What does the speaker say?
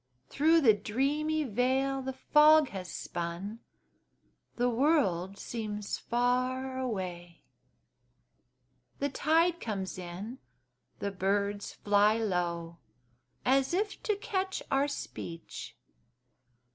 Through the dreamy veil the fog has spun The world seems far away; The tide comes in the birds fly low, As if to catch our speech.